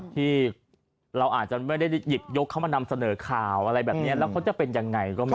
ที่เราอาจจะไม่ได้หยิบยกเข้ามานำเสนอข่าวอะไรแบบนี้แล้วเขาจะเป็นยังไงก็ไม่รู้